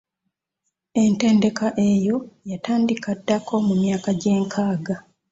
Entendeka eyo yatandika ddako mu myaka gy'enkaga.